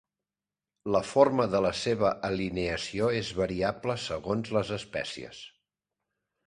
La forma de la seva alineació és variable segons les espècies.